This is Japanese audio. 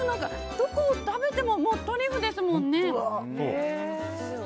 どこを食べてもトリュフですもんね。